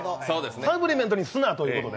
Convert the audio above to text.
サプリメントにすな、ということで。